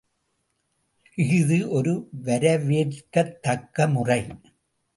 இஃது ஒரு வரவேற்கத்தக்கமுறை.